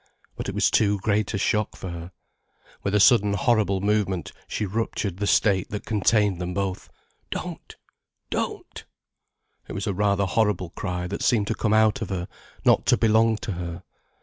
But it was too great a shock for her. With a sudden horrible movement she ruptured the state that contained them both. "Don't—don't!" It was a rather horrible cry that seemed to come out of her, not to belong to her.